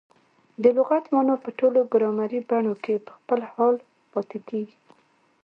د لغت مانا په ټولو ګرامري بڼو کښي په خپل حال پاته کیږي.